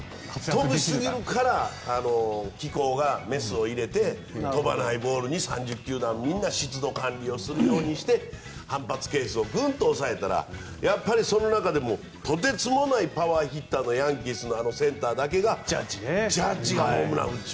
飛びすぎるから機構がメスを入れて飛ばないボールに３０球団みんな湿度管理するようにして反発係数をグンと押さえたらその中でもとてつもないパワーヒッターのヤンキースのあのセンターだけがジャッジがホームランを打つ。